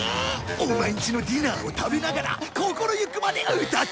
オマエんちのディナーを食べながら心ゆくまで歌ってやるからな！